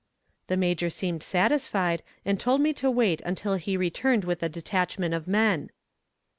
The major seemed satisfied, and told me to wait until he returned with a detachment of men.